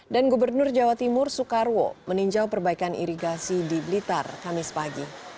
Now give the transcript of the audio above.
dan gubernur jawa timur soekarwo meninjau perbaikan irigasi di blitar kamis pagi